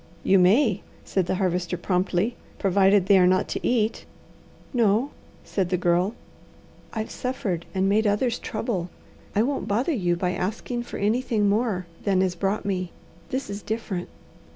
"You may," said the Harvester promptly, "provided they are not to eat." "No," said the Girl. "I've suffered and made others trouble. I won't bother you by asking for anything more than is brought me. This is different.